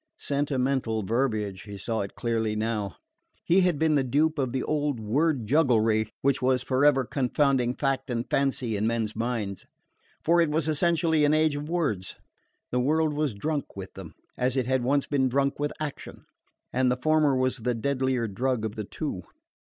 Sentimental verbiage: he saw it clearly now. He had been the dupe of the old word jugglery which was forever confounding fact and fancy in men's minds. For it was essentially an age of words: the world was drunk with them, as it had once been drunk with action; and the former was the deadlier drug of the two.